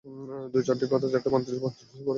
দু চারটি কথা যাকে তাকে মন্ত্রাভিভূত করে ফেলে।